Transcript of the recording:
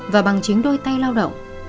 và bằng chính đôi tay lao động